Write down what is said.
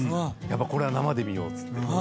これは生で見ようっつって。